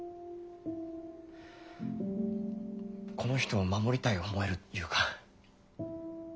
この人を守りたい思えるいうか。